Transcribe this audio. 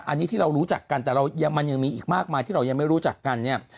อันนี้ที่เรารู้จักกันแต่เรามันยังมีอีกมากมายที่เรายังไม่รู้จักกันเนี่ย